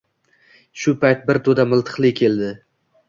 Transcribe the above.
Shu payt bir to’da miltiqli keldi.